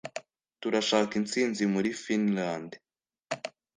turashaka intsinzi muri finlande,